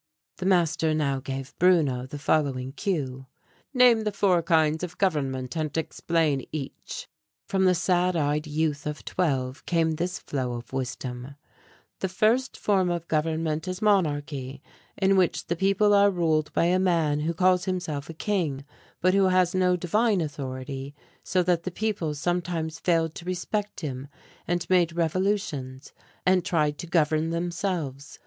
The master now gave Bruno the following cue: "Name the four kinds of government and explain each." From the sad eyed youth of twelve came this flow of wisdom: "The first form of government is monarchy, in which the people are ruled by a man who calls himself a king but who has no divine authority so that the people sometimes failed to respect him and made revolutions and tried to govern themselves.